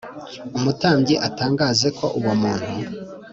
e Umutambyi azatangaze ko uwo muntu